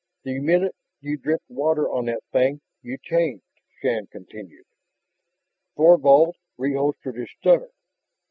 "The minute you dripped water on that thing you changed," Shann continued. Thorvald reholstered his stunner.